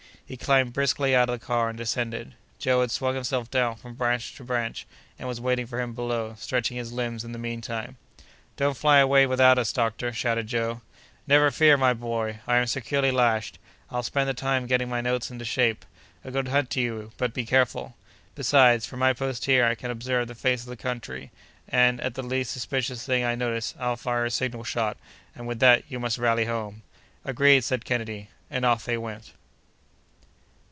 He climbed briskly out of the car and descended. Joe had swung himself down from branch to branch, and was waiting for him below, stretching his limbs in the mean time. "Don't fly away without us, doctor!" shouted Joe. "Never fear, my boy!—I am securely lashed. I'll spend the time getting my notes into shape. A good hunt to you! but be careful. Besides, from my post here, I can observe the face of the country, and, at the least suspicious thing I notice, I'll fire a signal shot, and with that you must rally home." "Agreed!" said Kennedy; and off they went.